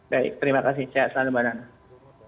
baik terima kasih saya selalu berada di sana